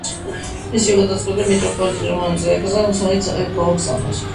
მისივე გადაწყვეტილებით მიტროპოლიტი რომანოზი დაიკრძალა სიონის საპატრიარქო ტაძრის გალავანში.